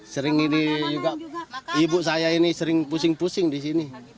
sering ini juga ibu saya ini sering pusing pusing di sini